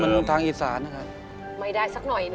ไม่ได้สักหน่อยหนึ่งเลย